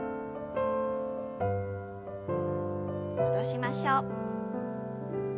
戻しましょう。